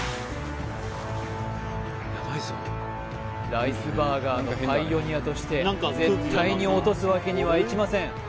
ライスバーガーのパイオニアとして絶対に落とすわけにはいきません